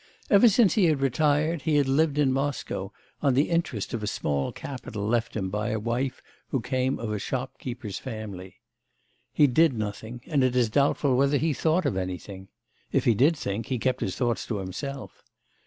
Ever since he had retired, he had lived in Moscow on the interest of a small capital left him by a wife who came of a shopkeeper's family. He did nothing, and it is doubtful whether he thought of anything; if he did think, he kept his thoughts to himself.